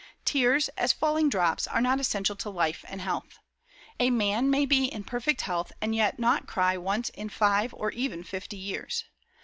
Tears, as falling drops, are not essential to life and health. A man may be in perfect health and yet not cry once in five or even fifty years.